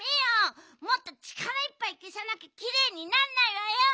もっとちからいっぱいけさなきゃきれいになんないわよ！